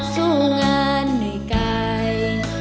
สู้งานเหนื่อยไกล